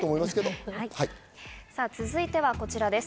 続いては、こちらです。